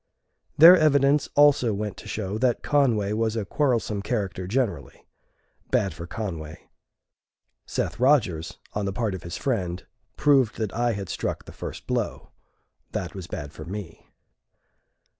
Their evidence also went to show that Conway was a quarrelsome character generally. Bad for Conway. Seth Rodgers, on the part of his friend, proved that I had struck the first blow. That was bad for me.